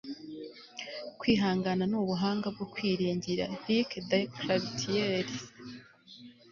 kwihangana ni ubuhanga bwo kwiringira. - luc de clapiers